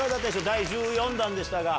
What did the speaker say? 第１４弾でしたが。